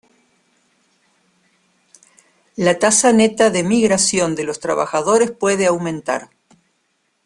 La tasa neta de migración de los trabajadores puede aumentar.